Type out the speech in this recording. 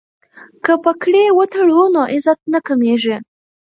که پګړۍ وتړو نو عزت نه کمیږي.